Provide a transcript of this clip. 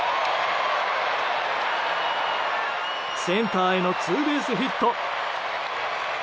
センターへのツーベースヒット。